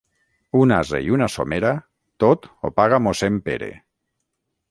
Un ase i una somera, tot ho paga mossèn Pere.